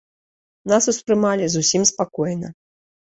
Нас успрымалі зусім спакойна.